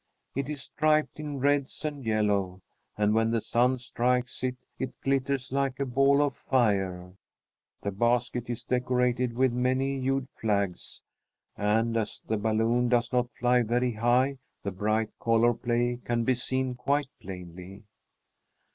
It is striped in reds and yellows, and when the sun strikes it it glitters like a ball of fire. The basket is decorated with many hued flags, and as the balloon does not fly very high the bright color play can be seen quite plainly.